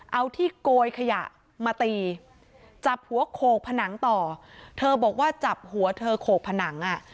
เอาที่โกยขยะมาตีจับหัวโขกผนังต่อเธอบอกว่าจับหัวเธอโขกผนังอ่ะ